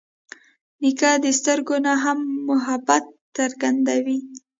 نیکه د سترګو نه هم محبت څرګندوي.